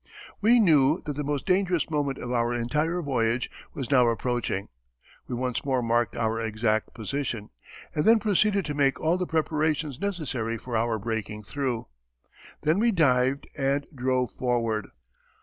We knew that the most dangerous moment of our entire voyage was now approaching. We once more marked our exact position, and then proceeded to make all the preparations necessary for our breaking through. Then we dived and drove forward.